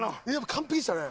完璧でしたね。